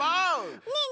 ねえねえ